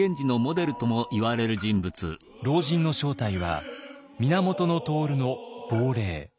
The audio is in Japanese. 老人の正体は源融の亡霊。